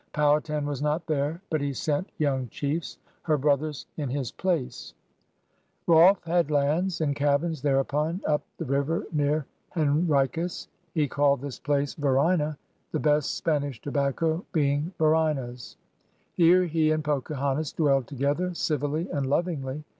Powhatan was not there, but he sent yoimg chiefs, her brothers, in his place. 86 PIONEERS OF THE OLD SOUTH Rolfe had lands and cabins thereupon up the river near Henricus. He called this place Varina, the best Spanish tobacco being Varinas. Here he and Pocahontas dwelled together '"civilly and lovingly.